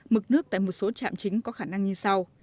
mực nước tại một số trạm chính có khả năng như sau